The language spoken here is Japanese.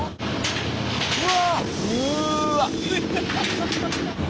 うわ！